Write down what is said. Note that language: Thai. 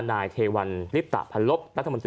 นายเทวัลพัลลบ